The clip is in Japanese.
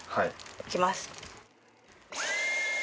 いきます。